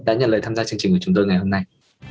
đã nhận lời tham gia chương trình của chúng tôi ngày hôm nay